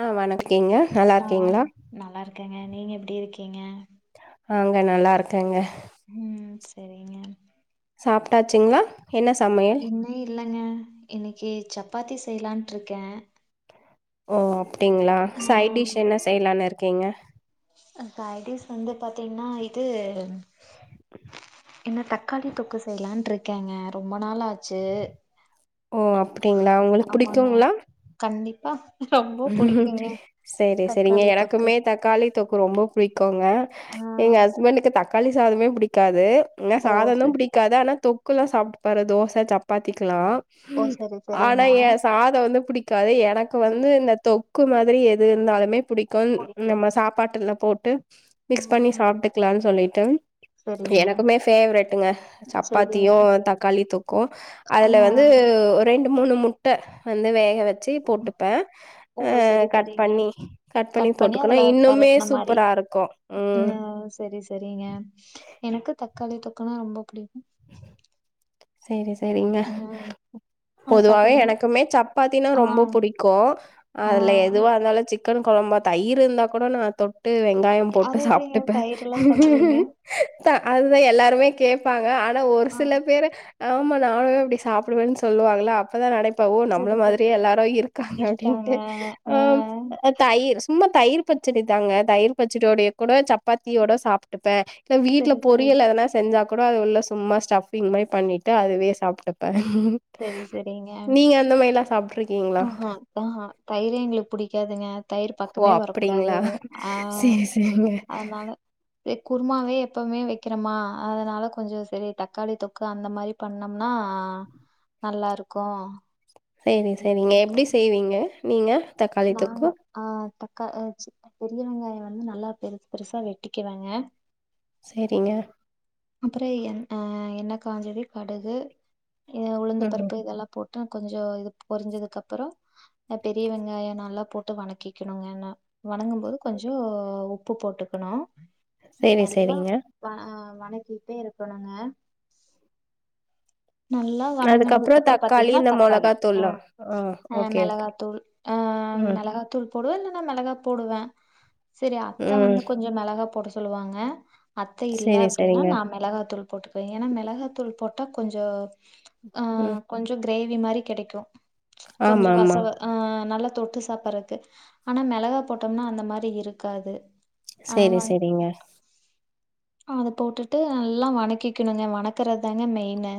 ஆ வணக் கீங்க நல்லா இருக்கீங்ளா கேங்க நீங்க எப்டி இருக்கீங்க ஆங்க நல்லா இருக்கேங்க ம் செரிங்க சாப்டாச்சுங்ளா இன்னும் இல்லங்க இன்னிக்கி சப்பாத்தி செய்லான்ட்டு இருக்க ஓ அப்டிங்ளா சைடிஷ் என்ன செய்லானு இருக் கீங்க அ கைடிஷ் வந்து பாத்தீங்னா இது என்ன தக்காளி தொக்கு செய்லான்ட்டு இருக்கேங்க ரொம்ப நாளாச்சு ஓ அப்டிங்ளா உங்ளுக் புடிக்குங்ளா பா செரி செரிங்க தக்காளி தொக்கு எனக்குமே தக்காளி தொக்கு ரொம்ப புடிக்குங்க ஆ எங்க ஹஸ்பண்டுக்கு தக் தக்காளி சாதமே புடிக்காது என்ன ஓ சாதந்தா சே புடிக்காது ஆனா தொக் குள்ள சாப்டுப்பாரு தோச சப்பாத்திக்கெல்லா ஓ ம் சரி சரிங்க ஆனா எ சாதோ வந்து புடிக்காது எனக்கு ம் வந்து இந்த தொக்கு மாதிரி எது இருந்தாலுமே புடிக்குன் புடிக்கு நம்ம சாப்பாட்டுல போட் மிக்ஸ் பண்ணி ம் சாப்ட்டுக்குலானு சொல்லிட் டென்த் சரிங்க எனக்குமே ஃபேவரைட்டுங்க சரிங்க சப்பாத்தியும் தக்காளி தொக்கும் ஆ அதுல வந்து ஒரு ரெண் மூணு முட்ட வந்து வேக வச் செயின் போட்டுப்பேன் ஓ செரி செரிங்க கட் பண்ணி போட்டுக்கணு அதுல இன்னுமே பெரட்ன மாதிரி சூப்பரா இருக்கு ம் உஹம் செரி செரிங்க எனக்கு தக்காளி தொக்கனா ரொம்ப பிடிக்கும் செரி செரி செரிங்க அது பொதுவாவே பாத்தீங்கன்னா எனக்குமே சப்பாத்தினா ஆ ரொம்ப பிடிக்கும் ஆ அதுல எதுவா இருந்தாலும் சிக்கன் குழம்பா தயிர் இருந்தா கூட நான் ட்டு வெங்காயம் போட்டு அது எப்டிங்க சாப்பிட்டுப்பேன் தயிரெல்லா சாப்டுவீங்க அதுதான் எல்லாருமே கேட்பாங்க ஆன ஒரு ஆ சில பேரு ஆமா நானும் அப்படி சாப்பிடுவேன்னு சொல்லுவாங்களா அப்பதான் நை இப்போ நம்மள செரி செரி மாதிரியே எல்லாரும் இருக்காங்க அப்படின்ட்டு ஆ ஆஹ தயிர் சும்மா தயிர் பச்சடி தாங்க தயிர் பச்சடியோடைய கூட சப்பாத்தியோட சாப்பிட்டுப்பேன் வீட்டுல செரி செரி பொரியல் எதுனா செஞ்சா கூட எல்லாம் சும்மா ஸ்டபிங் மாதிரி பண்ணிட்டு அதுவே சாப்பிட்டுப்பேன் செரி செரிங்க மாரிலா சாப்ட்ருக்கீங்களா? ஓஹோ ஆஹ் தயிரே எங்களுக்கு பிடிக்காதுங்க தயிர் ஓ! பக்கமே வரக்கூடாது அப்டிங்களா? ஆஹ் சேரி, சேரிங்க. அதனால குருமாவே எப்பவுமே வைக்கிறோமா அதனால கொஞ்சம் செரி தக்காளி தொக்கு அந்த மாதிரி பண்ணோம்னா நல்லா இருக்கும் செரி சேரிங்க எப்படி செய்வீங்க நீங்க தக்காளி நாங்க தொக்கு? ஆஹ் தக் பெரிய வெங்காயம் வந்து நல்லா பெருசு பெருசா வெட்டிக்குவேங்க செரிங்க அப்புறம் என் அஹ் எண்ண காஞ்சதும் கடுகு ம். உளுந்தப்பருப்பு இதெல்லாம் போட்டு கொஞ்சம் இது பொரிஞ்சதுக்கு அப்புறம் பெரிய வெங்காயம் நல்லா போட்டு வணக்கிக்கணுங்க வணங்கும் போது கொஞ்சோம் உப்பு போட்டுக்கணும் செரி செரிங்க வன சுட்டே இருக்கனுங்க நல்லா அதுக்கப்புறம் வனங்குனதுக்கப்ற தக்காளி பாத்தீங்னா இந்த தக்காளி மொளகாத்தூள்லா ஆ ஓகே, ஓகே. மெளகாத்தூள் ஆ ம், மெளகாத்தூள் போடுவே இல்லனா மெளகா போடுவே செரி அத்த ம். வந்து கொஞ்சொ மெளகா போட சொல்லுவாங்க அத்த இல்ல சேரி, அப்டின்னா சேரிங்க. நா மெளகா தூள் போட்டுக்குவே ஏனா மெளகாத்தூள் போட் கொஞ்சோ ஆ ம். கொஞ்ச கிரேவி மாரி கெடைக்கு கொஞ்சொ ஆமா, ஆமா. வசவு ஆ நல்ல தொட்டு சாப்பறக்கு ஆனா மெளகா போட்டொம்னா அந்த மாரி இருக்காது செரி செரிங்க அத போட்டுட்டு நல்லா வனக்கிக்கினுங்க வனக்குறது தாங்க மெயினு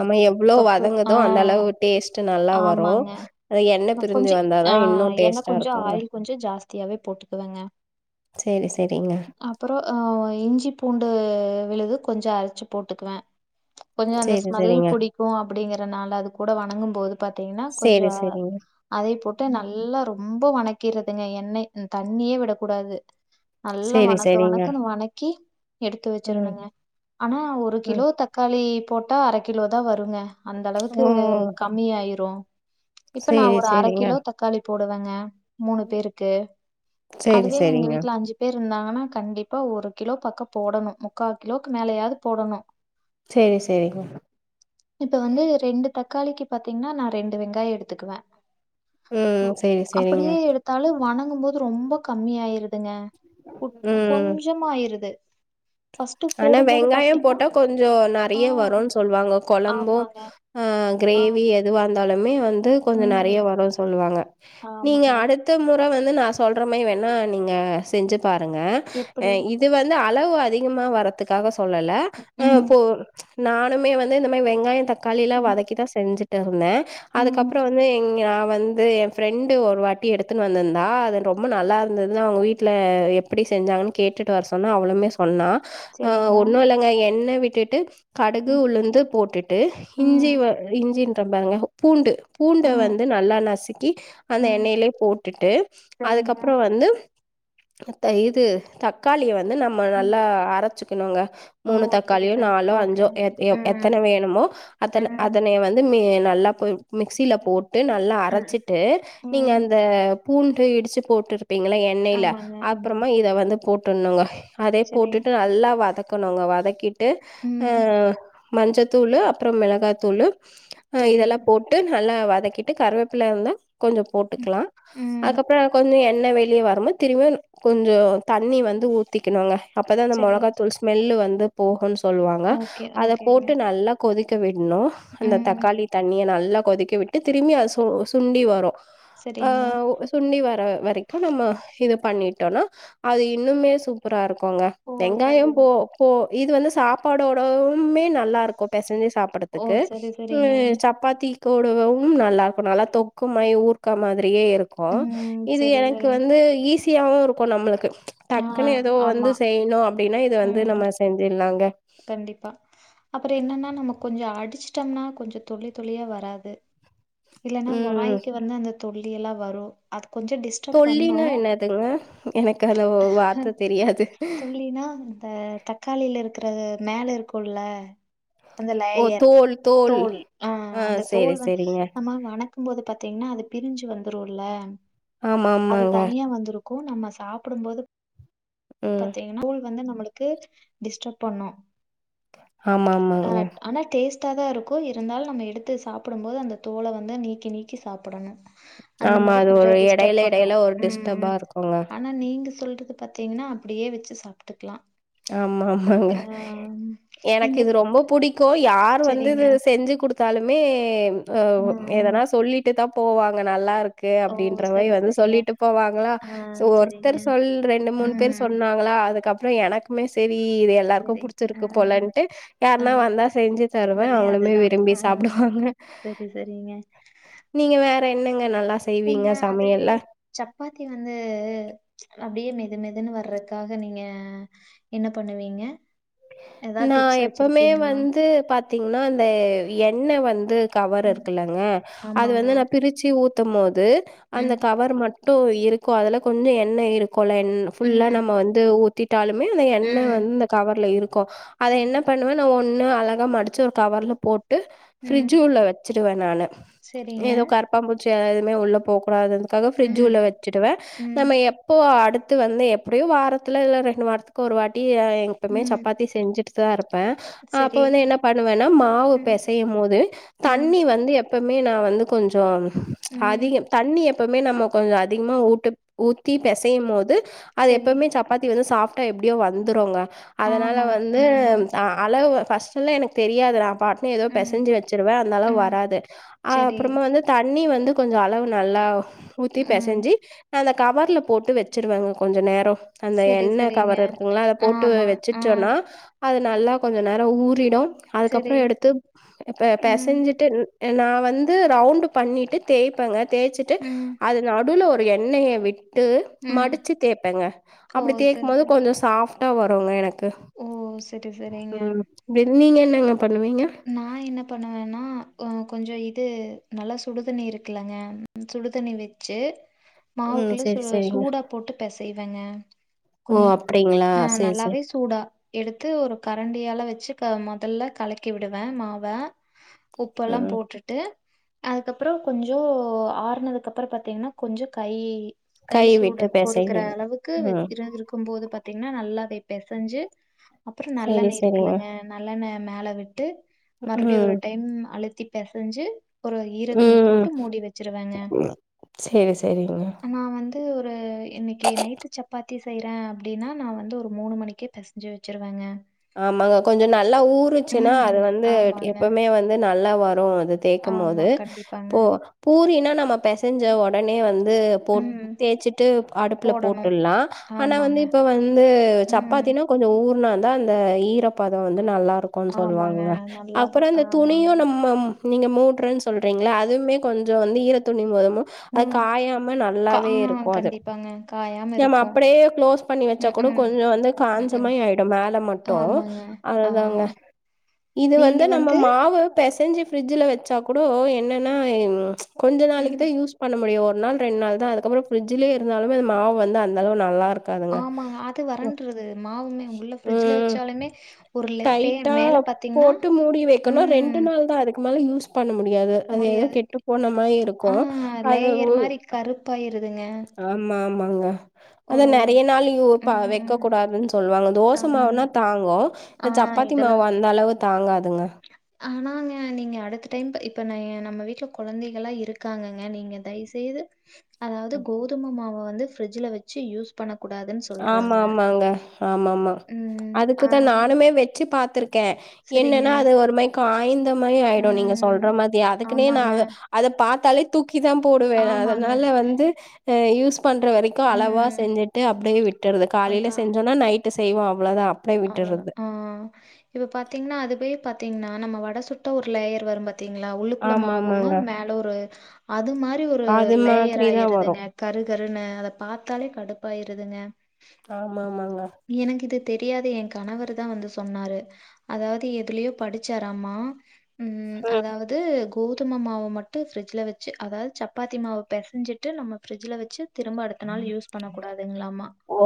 ஆமா எவ்ளோ வதங்குதோ அந்த ஆஹ் அளவு டேஸ்ட்டு நல்லா வரு ஆமாங்க அ எண்ண நான் பிரிஞ்சு கொஞ்சம் வந்தாதா இன்னு டேஸ்ட்டா இருக்குங்க தியாவே போட்டுக்குவெங்க சேரி, சேரிங்க. அப்பறொ ஆ இஞ்சி பூண்டு விழுது கொஞ்ச அரச்சு போட்டுக்குவே கொஞ்சொ அந்த சேரி, ஸ்மெல் சேரிங்க. புடிக்கு அப்டிங்குறனால அது கூட வனங்கும் போது பாத்தீங்கனா கொஞ்ச சேரி, சேரிங்க. அதையு போட்டு ம். நல்லா ரொ ம்ப வனக்கிர்றதுங்க எண்ணெய் தண்ணியே விடக்கூடாது நல்லா சேரி, வனக்கு சேரிங்க. வனக்குனு வனக்கி எடுத்து ம். வச்சுருனுங்க ஆனா ஒரு ம் கிலோ தக்காளி போட்டா அர கிலோ தா வருங்க அந்த அளவுக்கு ஓ கம்மியாயிரு இப்ப நா சேரி ஒரு அர சேரிங்க கிலோ தக்காளி போடுவெங்க மூணு பேருக்கு சேரி அதுவே எங்க சேரிங்க வீட்ல அஞ்சு பேர் இருந்தாங்கன்னா கண்டிப்பா ஒரு கிலோ பக்கப போடணு முக்கா கிலோக்கு மேலயாது போடணு சேரி சேரிங்க இப்ப வந்து ரெண்டு தக்காளிக்கு பாத்தீங்னா நா ரெண்டு வெங்காய எடுத்துக்குவே ம் சேரி சேரிங்க அப்புடியே எடுத்தாலு வனங்கும்போ து ரொம்ப கம்மி ஆயிருதுங்க கு ம் கொஞ்சமாயிருது ஃபர்ஸ்ட் ஆனா போடும்போது வெங்காயோ பாத்தீங்கன்னா போட்டா கொஞ்ச ந ஆ நிறையா வரு சொல்லுவாங்க கொழம்பு ஆமாங்க ஆ கிரேவி ஆமாங்க எதுவா இருந்தாலுமே ஏ வந்து து கொஞ்ச ம் நெறையா வருன் சொல்லுவாங்க நீங்க ஆமாங்க அடுத்த மொ னா வந்து நா சொல்ற மாரி வேணா நீங்க செஞ்சு பாருங்க ஆ எப்படி இது வந்து ஆ அளவு அதிகமா வர் ரத்துக்காக சொல்லல ஆ ம் போ சு நானுமே வந்து இந்த மாரி வெங்காயோ தக் காலிலா ம் வதக்கி தா செஞ்சே ட்டருந்தே ம் அதுக்கப்பறோ வந்து இங்கா வந்து எ ஃப்ரெண்டு ஒரு வாட்டி எடுத்துன்னு வந்திருந்தா அது ரொம்ப நல்லா இருந்ததுனு அவங்க வீட்டுல எப்படி செஞ்சாங்கன்னு கேட்டுட்டு வர சொன்னா அவளுமே சொன்னா ஆ சரிங்க ஒன்னு இல்லைங்க என்ன விட் டுட்டு கடுகு ம் உளுந்து போட்டுட்டு இஞ்சி ம் வே இஞ்சி தம்பாருங்க பூண்டு பூண்ட ம் வந்து நல்லா நசுக்கி அந்த ம் எண்ணைய்லே போட்டுட்டு சரிங்க அதுக்கப்பறோ வந்து அத்த இது தக்காளிய வந்து வந்து நம்ம ம் நல்லா அரச்சு க்கனுங்க ஓ மூணு சரி தக்காளியோ சரி நாலோ ஓகே அஞ்சோ ம் எத்தன வேணுமோ அத்தன ம் அதன வந்து மே நல்லா கொ மிக்சில போட் ட்டு நல்லா ம் அரச்சிட்டு நீங்க ம் அந்த பூண்டு இடிச்சு போட்டுரு வெப்பாங்கள எண்ணெயில ஆமாங்க ஆமா அப்புறமா இத வந்து போட் ட்டுண்ணுங்க அதே சரி போட்டுட்டு அல்லாவ் வதக்கணுங்க வதக்கிட் ட்டு ஆ ம் மஞ்சத்தூளு அப்புறோ மிளகாத்தூளு ஆ சரி இதெல்லா போட்டு நல்லா வதக் வதக்கிட்டு கருவேப்புள இருந்தா கொஞ்சோ ம் போட்டுக்கலா ம் அதுக்கப்புறோ கொஞ்சோ எண் எண்ணெ வெளிய வருமோ திரும்ப கொஞ்சோ தண்ணி வந்து ஊத்திக்கணுங்க அப்பதா அந்த சரி மொளகாத் ஸ்மெல்லு வந்து போகுன்ஸ் சொல்லுவாங்க ஓகே அத ஓகேங்க போட்டு நல்லா கொதிக் க்க விட் இன்னு அந்த ம் தக்காளி தண்ணிய நல் எல்லா கொதிக்க விட்டு திரும்பி அது சு சுண்டி வரு ஆ சரிங்க ஓ சுண்டி வர வரைக்கு நம்ம இத பண்ணிட்டோன்னா அது இன்னுமே சூப்பரா இருக் க்குங்க ஓ சரி வெங்காயம் இப்போ இது வந்து சாப்பாடோடமே நல்லா இருக்கு பெசஞ்சுஸ் ஓ சாப்புறதுக்கு சரி சரிங்க ம் சப்பாத்தி தொடுவவும் நல்லா இருக்கு நல்லா தொக்கு மாரி ஊருக்கா மாதிரி அப்டியே இருக்கு ம் இது சரி எனக்கு சரி வந்து ஈஸ் தியாவு இருக்கு நம்மளுக்கு ஆ டக்குன்னு எதோ ஆமா வந்து செய்யுணு அப் துன்னா இது து ம் நம்ம செஞ்சுர்லாங்க கண்டிப்பா அப்புறோ என்னன்னா நம்ம கொஞ்சோ அ அடுச்சுட்டம்னா கொஞ்சோ துளி துளியா வராது இல்லன்னா ம் மொளாய்க்கு வந்து அந்த தொள்ளியெல்லாம் வரும் அத் கொஞ்சம் டிஸ்டர்ப் தொல்லினா பண்ணும் என்னதுங்க எனக்கு அந்த ஹ் வார்த்த தெரியாது தொள்ளின்னாந்த தக்காளில இருக் ந்த மேல இருக்கும்ல அந்த ஓ லேயர் தோல் தோல் அஅ ஆ அந்த செரி தோல் வந்து செரிங்க நம்ம வணக்கும் போது பாத்தீங்ன்னா அது பிரிஞ்சு வந்து ருள்ள ஆமா ஆமாங்க இப்போ நம்ம சாப்டும்போது ம் பாத்தீங்கன்னா கூழ் வந்து நம்ம க்கு டிஸ்டர்ப் பண்ணோம் ஆமா ஆமாங்க த்தாதான் இருக்கும் இருந்தாலும் நம்ம எடுத்து சாப்டும்போது அந்த தோலை வந்து நீக்கி நீக்கி சாப்புடணும் ஆமா அது ஒரு இடையில இடையில ஒரு ம். டிஸ்டர்பா இருக்குங்க ஆனா நீங்க சொல்றது பாத்தீங்ன்னா அப்டியே வச்சு சாப்ட்டுக்லாம் ஆமாம் அங்க எனக்கு நீங்க இது ரொம்ப புடிக்கும் யார் வந்து சரிங்க. து செஞ்சு குடுத் தாலுமே அ ம், ம். எதனா சொல்லிட்டு தான் போவாங்க நல்லார்க் க்கு ஓ! அப்படின்ற மாரி சரி, வந்து சரிங்க. சொல்லிட்டு போவாங்களா ஆ சோ சரிங்க. ஒருத்தர் சொல் ரெண்டு மூணு பேர் ம். சொன்னாங்களா அதுக்கப் அப்றம் எனக் ம் மே செயில் இ இது எல்லார்க்கும் சரி. அ, புடிச்ருக்கு போலன்ட்டு அ யாருன்னா வந்தா செஞ்சு தருவேன் உடனே அவுங்களுமே அதுதான். விரும்பி அ சாப்டுவாங்க சரி, சரிங்க. நீங்க வேற என்னங் நீங்க அதுலே சப்பாத்தி வந்து அப்படியே மெது மெதுன்னு வர்றதுக்காக நீங்க என்ன பண்ணுவீங்க ஏதாவது நான் டிப்ஸ் எப்பவுமே வச்சிருக்கீங்களா? வந்து பாத்தீங்னா அந்த எட் ன்ன வந்து கவர் ம். இருக்குல்லங்க அது ஆமாங்க. வந்து நா பிரிச்சு ஊ பத்தொம்போது அந்த ம். கவர் மட் டு இருக்கும் அதுல கொஞ்சோ எண்ணெ இருக் கொல எண் ஃபுல்லா ம். நம்ம வந்து ஊத்திட்டாலுமே அந்த எண்ணெ ம். வந் அந் கவர்ல இருக் கோ அத ம். என்ன பண்ணுவ நா ஒன் இன்னு அழகா மடிச்சு ஒரு கவர்ல போட் டு ம். ஃப்ரிட்ஜ் உள்ள வச்சுருவ நானு சரிங்க. ஏதோ கரப்பாபூச் எ எதுமே உள்ள போ கூடாதுந்து காக ஃப்ரிட்ஜ் ம். உள்ள வச்டுவ ம். நம்ம எப்போ அடுத் த்து வந்து எப்டியு வாரத்ல இல்ல ரெண்டு வாரத்துக்கு ஒரு வாட்டி இ ஆ இங் எப்பமே ம். சப் சப்பாத்தி செஞ்சுட்டு தா இருப்ப அப்ப சரி. வந்து என்ன பண்ணுவனா மாவு ம். பெசயும் போது ம். தண்ணி வந்து எப் இப்பமே நா வந்து கொஞ்சோ ம். அதிகம் தண்ணி எப் எப்பமே நம்மோ கொஞ்சோ அதிக்மா ஊட்டுப் ஊத்தி பெசயு போது அது சரி. எப்போமே சப்பாத்தி வந்து சாஃப்ட் ட எப்டியு வந்துருங்க அதனால ஆமா. வந்து ம். அ அளவு வ ஃபஸ்ட்டுல எனக் தெரியாதுரா பாட்னு ஏதோ ம். பெசஞ்சி வச்சிருவ அந்தளவு ம். வராது அ சரி. அப்றமா வந்து தண்ணி வந் இது கொஞ்சோ அளவு நல்லாவ் ஊத்தி ம். பெசஞ்சி நல்லக் கவர்ல போட்டு வச்சுருவங்க கொஞ்ச நேரோ அந்த சரி, எண்ணெ சரிங்க. கவர் இருக்குங்ள அத போட்டு ஆமா. ஆ. வச்சிட் அது நல்லா கொஞ்சோ நேரோ ஊறிடும் அதுக்கப்றோ சரி. எடுத்து ப ம். பெசஞ்சிட்டு இன் எ நா வந்து ரவுண்டு் பண்ணிட்டு தேய்ப்பங்க தேய்ச்சுட்டு ம். அது நடுவுல ஒன் இப் எண்ணெய விட் டு ம். மடிச்சு தேய்பங்க ஓ! அப்டி தேய்க் சரி, போது சரி. கொஞ்சோ சாஃப் ட்ட வருங்க எனக் ஓ சரி சரிங்க இப்படி நீங்கள் என்னங்க பண்ணுவீங்க நா என்ன பண்ணுவேன்னா அ கொஞ்ச. இ இது நல்லா சுடு தண்ணி இருக்குலங்க சுடுதண்ணி வச்சு ம் மாவுக்குள்ள சூ சரி சரிங்க சூடா போட்டு பெசை வைப்பேங்க ஓ அப்டிங்களா செரி செரி சூடா எடுத்து ஒரு கரண்டியால வச்சு க மொதல்ல கலக்கி விடுவே மாவ உப்பெல்லா ம் போட்டுட்டு அதுக்கப்புற கொஞ்ச ஆறனதுக்கு அப்புற பாத்தீங்கன்னா கொஞ்ச கை கை. சூடு விட்டு பொறுக்கற பெசைவீங்க அளவுக்கு ம் இருந்துருக்கு போது பாத் பாத்தீங்கன்னா நல்லாவே பெஸ் பெசஞ்சி அப்புற நல்ல செரி நேரலா செரிங்க இருக்குலங்க நல்ல நே மேல விட்டு மறுபடியு ஒரு ம் டைம் அழ்த் திட்ட பெசைஞ்சு ஒரு ஈர துணி ம் போட்டு மூடி வச்சிருவாங்க செரி செரிங்க நா வந்து ஒரு இன்னிக்கு நைட்டு சப்பாத் தி செய்றே அப்டின்னா நா வந்து ஒரு மூணு மணிக் கே பெசைஞ்சி வச்சுருவங்க ஆமாங்க கொஞ்ச நல் லா ஊருச்சுன்னா அது ம் வந்து ட் ஆமாங்க எப்பமே வந்து நல்லா வரு தேக்கும் போது ஆமாம் கண்டிப்பாங்க போ பூரின்னா நம்ம பெசைஞ்ச ஒடனே வந் து போட் ம் தேச்சிட்டு ப் அடுப்புல போடணும் போட்டுல்லா. ஆன வந்து ஆமாங்க இப்ப வந்து ம் சப்பாத்தின கொஞ்ச ஊர் நான் தா அந்த ஈரப்பதம் வந் நல்லா இருக்கோன் ஆமாங்க சொல்லுவாங்க நல்லா அப்புற ச- இந்த ஆமாங்க. துணியு நம்ம ம் நீங்க மூட்ரன் சொல்றீங்களா அதுவுமே கொஞ்ச வந்து ஈரத் துணி மா அது ம். காயாம்ம கா நல்லாவே ஆ இருக்கு அது கண்டிப்பாங்க. காயாம நம்ம இருக்கும். அப்டியே க்ளோஸ் பண்ணி வச்ச கூட ம்ஹ்ம். கொஞ்ச வந்து காஞ்ச ம்ஹ்ம். மாரி ஆயிடு மேல் மட்டும் ஆமாங்க. ஆ. அதாங்க இது வந்து நம்ம மாவு பெசெஞ்சு பிரிட்சுல வச்சா கூட என்னன்னா கொஞ்ச நாளைக்கு ம். தான் யூஸ் பண்ண முடியும் ஒரு நாள் ரெண்டு நாள் தான் அதுக்கப்புறம் பிரிட்ஜலயே இருந்தாலும் அ மாவு வந்து அந்தளவு நல்லா இருக்காது ஆமாங்க அது வரன்றது மா ஆவுமே உள்ள பிரிட்ஜ்ல ம் வச்சாலுமே ஒரு லே பே டைட்டா மேல பாத்தீங்கன்னா போட்டு மூடி வைக்கனும் ரெண்டு ம். நாள் தான் அதுக்கு மேல யூஸ் பண்ண மு முடியாது அது எதுவும் முடியாது. கெட்டு போன மாதிரி இருக்கு ஆ அது லேயர் மாரி கருப்பாயிருதுங்க. ஆமா ஆமாங்க அது ஒரு நிறைய நாள் வைக்க ம். கூடாதுன்னு சொல்லுவாங்க தோசை ஆமாங்க. மாவுனா தாங்கும் ஆ சப்பாத்தி இதெல்லாம் மாவு வந்த அளவு தாங்காதுங்க ஆனாங்க நீங்க அடுத்த டைம் இப்ப ந நம்ம வீட்டுல குழந்தைகளா இருக்காங்கங்க நீங்க தயவு செய்து அதாவது ம். கோதுமை மாவ வந்து பிரிட்ஜ்ல வச்சு யூஸ் பண்ண ஆமா ஆமாங்க ஆமா ஆமா ம். ஆ அதுக்குதான் நானுமே வச்சு பா சரிங்க. என்னன்னா அது ஒரு மாதிரி காய்ந்த ஆயிடும் நீங்க ம். சொல்ற மாதிரி அதுக்குனே ஆமாங்க, நான் அதை பார்த்து தலை தூக் தூக்கி தான் போடுவேன் ஆமாங்க. அதனால வந்து யூஸ் பண்ற வரைக்கும் அளவா ம். செஞ்சுட்டு அப் அப்படியே விட்டுறது காலையில செஞ்சோனா நைட் ட்டு செய்வம் அவ்வளோதான் அவ்வளவுதா ஆஹ் இப்ப பாத்தீங்கன்னா அதுவே ப பாத்தீங்கன்னா நம்ம வட சுட்ட ஒரு லேயர் வரும் பாத்தீங்களா உள்ளுக்குள்ள ஆமா மாவும ஆமாங்க மேல ஒரு அது மாதிரி ஒரு அது லேயர் மாதிரிதா வரு ஆயிருதுங்க கரு கருன்னு அத பார்த்தாலே கடுப்பாயிருதுங்க ஆமா ஆமாங்க எனக்கு இது தெரியாத என் கணவர் தான் வந்து சொன்னாரு அதாவது எதுலயோ படிச்சாராமா உம் அ அதாவது கோதும மாவ மட்டு ஃப்ரிட்ஜுல வச்சு அதாவது சப்பாத்தி மாவ பெசைஞ்சிட்டு நம்ம ஃப்ரிட்ஜில் வச்சு திரும்ப அடுத்த நாள் யூஸ் பண்ணக்கூடாது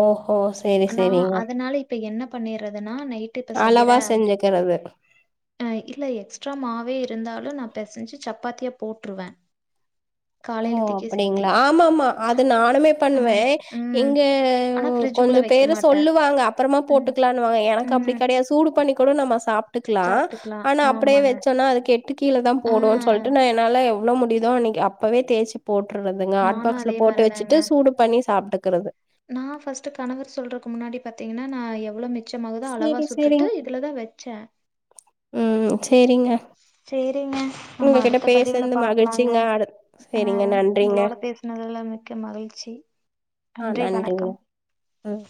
ஓஹோ சரி ஆனா அதனால இப் இப்ப என்ன பண்ணிற்றது நா நைடு இப்ப செய்யறே அளவா அப்படி செஞ்சுக்கிறது ஆ இல்ல எக்ஸ் ட்ரா மாவே இருந்தாலு நா பெசைஞ்சு சப்பாத்திய போட்ருவே ஓ அப்படிங்களா ஆமாமா அத நானுமே பண்ணுவே ம், ம். இங்க ஆனா கொஞ்ச ஃப்ரிட்ஜுக்குள்ள பேர் வைக்க எதோ மாட்டேன். சொல்லுவாங்க அப்பறமா ம், போட்டுக்கலானுவாங்க எனக்கு அப்டி ம். கெடையாது சூடு பண்ணி கூட நம்ம ஸ் சாப்ட்டுகலா சாப்பிட்டுக்கலாம். ஆனா அப்படியே ஆமாங்க. வச்சோம்ன்னா அதுக்கு கேட்டு கீழ தா ஆ போடுவோனு சொல்லிட்டு நா என்னால எவ் என்ன முடியுதோ அநேக்கு அப் அப்பவே தேச்சிப் போட்டுர்ரதுங்க நானும் ஹாட்பாக்ஸ்ல அதே போட்டு மாரி தாங்க. வச்சுட்டு சூடு பண்ணி சாப்டக் க்குறது நான் பஃஸ்டு கணவர் சொல்றக்கு முன்னாடி பாத்தீங்கன்னா நா எவ்ளோ மிச் ச்சமாவுதா அளவா செரி சுட்டுட்டு இதுலதா வச்சே உ ச் சேரிங்க நம்ம உங்ககிட்ட அடுத்த பதிவுல பேசுனது பாக்கலாங்க மகிழ்ச்சிங்க அடு அ செரிங்க நன்றிங்க உங்களோட பேசுனதுல மிக்க மகிழ்ச்சி ஆ நன்றி நன்றிங்க வணக்கம் ம்